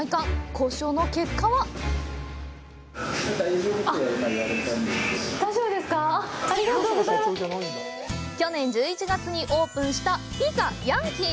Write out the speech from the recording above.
交渉の結果は去年１１月にオープンしたピザ・ヤンキー。